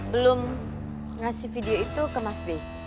belum ngasih video itu ke mas b